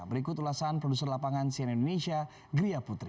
berikut ulasan produser lapangan sian indonesia gria putri